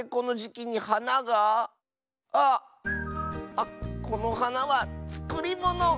あっこのはなはつくりもの！